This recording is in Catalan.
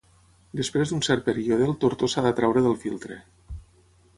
Després d'un cert període el tortó s'ha de treure del filtre.